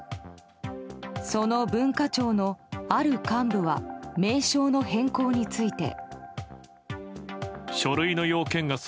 その文化庁のある幹部は名称の変更について。